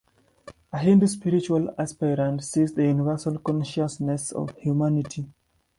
A Hindu spiritual aspirant sees the universal consciousness of humanity.